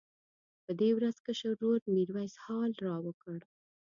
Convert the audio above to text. په دې ورځ کشر ورور میرویس حال راوکړ.